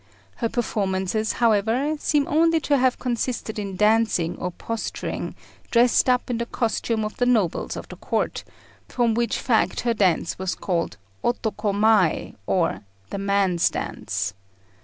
Her performances, however, seem only to have consisted in dancing or posturing dressed up in the costume of the nobles of the Court, from which fact her dance was called Otoko mai, or the man's dance.